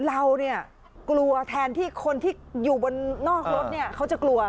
เราเนี่ยกลัวแทนที่คนที่อยู่บนนอกรถเนี่ยเขาจะกลัว